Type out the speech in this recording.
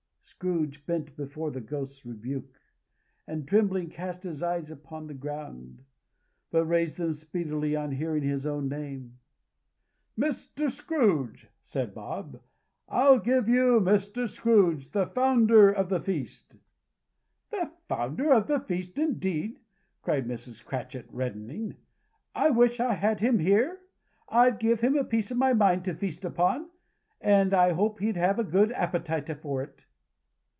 Scrooge bent before the Ghost's rebuke, and trembling cast his eyes upon the ground. But he raised them speedily on hearing his own name. "Mr. Scrooge!" said Bob; "I'll give you Mr. Scrooge, the Founder of the Feast!" "The Founder of the Feast indeed!" cried Mrs. Cratchit, reddening. "I wish I had him here. I'd give him a piece of my mind to feast upon, and I hope he'd have a good appetite for it."